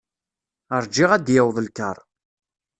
Rjiɣ ad d-yaweḍ lkar.